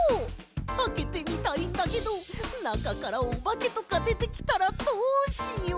あけてみたいんだけどなかからおばけとかでてきたらどうしよう！